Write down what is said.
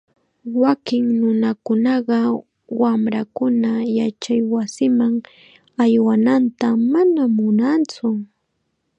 Wakin nunakunaqa wamrankuna yachaywasiman aywananta manam munantsu.